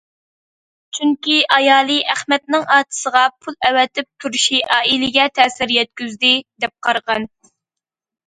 چۈنكى ئايالى ئەخمەتنىڭ ئاچىسىغا پۇل ئەۋەتىپ تۇرۇشى ئائىلىگە تەسىر يەتكۈزدى، دەپ قارىغان.